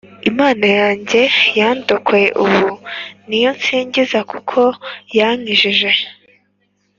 imana yanjye yandokoye ubu, niyo nsingiza kuko yankijije